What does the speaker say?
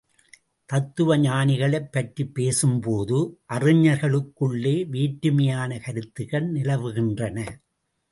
தத்துவ ஞானிகளைப் பற்றிப்பேசும்போது அறிஞர்களுக்குள்ளே வேற்றுமையான கருத்துக்கள் நிலவுகின்றன.